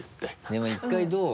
でも１回どう？